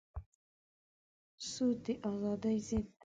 سود د ازادۍ ضد دی.